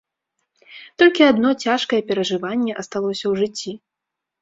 Толькі адно цяжкае перажыванне асталося ў жыцці.